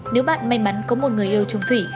nếu bạn may mắn có một người yêu trung thủy